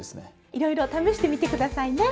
いろいろ試してみて下さいね。